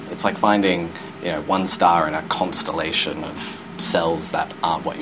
seperti menemukan satu bintang di konstelasi sel yang tidak menarik yang kita cari